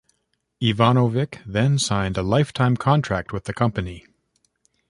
Ivanovic then signed a lifetime contract with the company.